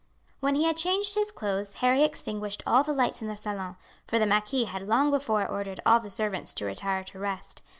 When he had changed his clothes Harry extinguished all the lights in the salon, for the marquis had long before ordered all the servants to retire to rest.